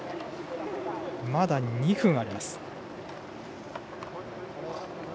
まだ２分あります。